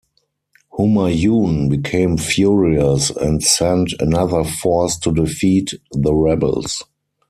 Humayun became furious and sent another force to defeat the rebels.